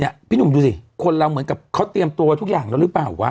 พี่หนุ่มดูสิคนเราเหมือนกับเขาเตรียมตัวทุกอย่างแล้วหรือเปล่าวะ